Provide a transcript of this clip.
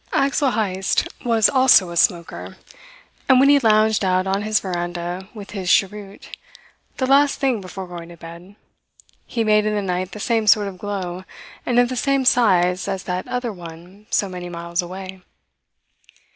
Axel Heyst was also a smoker; and when he lounged out on his veranda with his cheroot, the last thing before going to bed, he made in the night the same sort of glow and of the same size as that other one so many miles away.